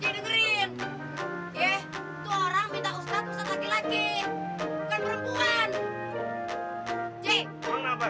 j itu orang minta ustad ustad laki laki bukan perempuan